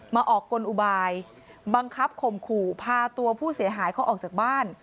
มาออกกลอุบายบังคับข่มขู่พาตัวผู้เสียหายเขาออกจากบ้าน